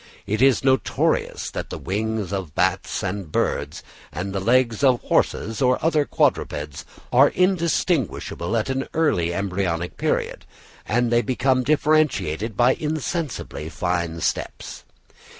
It is notorious that the wings of birds and bats, and the legs of horses or other quadrupeds, are undistinguishable at an early embryonic period, and that they become differentiated by insensibly fine steps.